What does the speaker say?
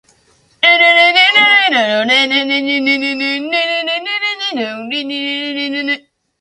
Leon Motors, a bus company located in Finningley, operates buses in Doncaster.